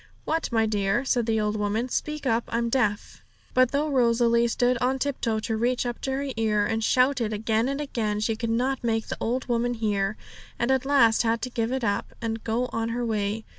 'What, my dear?' said the old woman. 'Speak up. I'm deaf.' But though Rosalie stood on tiptoe to reach up to her ear, and shouted again and again, she could not make the old woman hear, and at last had to give it up, and go on her way.